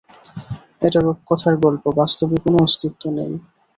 এটা রুপকথার গল্প, বাস্তবে কোনো অস্তিত্ব নেই।